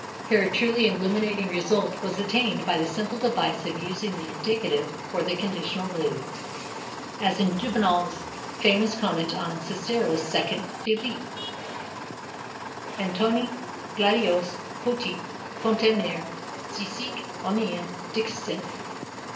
Here a truly illuminating result was attained by the simple device of using the indicative for the conditional mood as in Juvenal's famous comment on Cicero's second Philippic: Antoni gladios potuit contemnere si sic omnia dixisset.